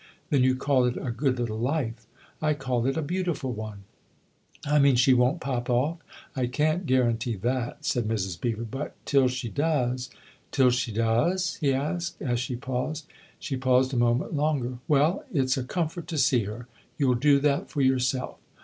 "Then you call it a good little life ?"" 1 call it a beautiful one !"" I mean she won't pop off ?"" I can't guarantee that," said Mrs. Beever. " But till she does "" Till she does ?" he asked, as she paused. She paused a moment longer. " Well, it's a comfort to see her. You'll do that for yourself."